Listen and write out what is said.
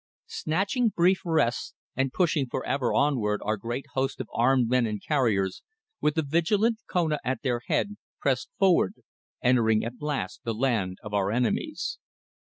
Snatching brief rests, and pushing for ever onward our great host of armed men and carriers, with the vigilant Kona at their head, pressed forward, entering at last the land of our enemies.